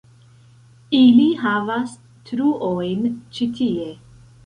Ili havas truojn ĉi tie